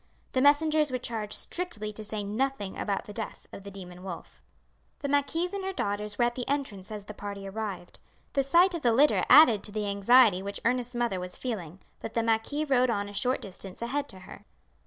The messengers were charged strictly to say nothing about the death of the demon wolf. The marquise and her daughters were at the entrance as the party arrived. The sight of the litter added to the anxiety which Ernest's mother was feeling; but the marquis rode on a short distance ahead to her.